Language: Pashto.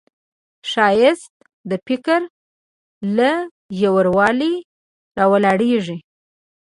ښایست د فکر له ژوروالي راولاړیږي